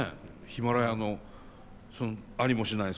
ヒマラヤのありもしない